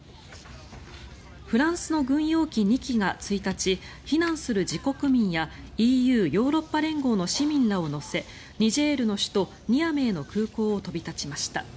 フランスの軍用機２機が１日避難する自国民やＥＵ・ヨーロッパ連合の市民らを乗せニジェールの首都ニアメーの空港を飛び立ちました。